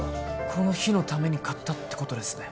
この日のために買ったってことですね